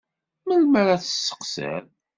Melmi ara tt-tesseqsiḍ?